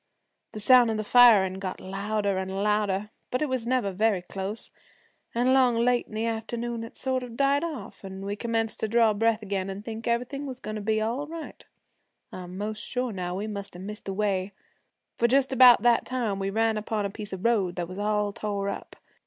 The sound of the firin' got louder an' louder, but it was never very close, and along late in the afternoon it sort of died off, an' we commenced to draw breath again, and think everything was goin' to be all right. I'm 'most sure now we must have missed the way, for just about that time we ran upon a piece of road that was all tore up.